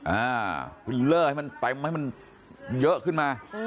อ่าคุณเลอร์ให้มันเต็มให้มันเยอะขึ้นมา